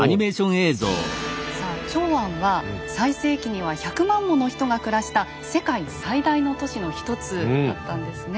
さあ長安は最盛期には１００万もの人が暮らした世界最大の都市のひとつだったんですね。